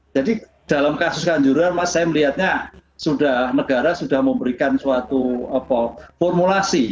jadi dalam kasus khanjuran saya melihatnya negara sudah memberikan suatu formulasi